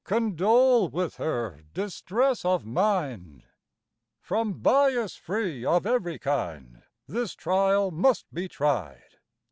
Condole with her distress of mind— From bias free of every kind, This trial must be tried!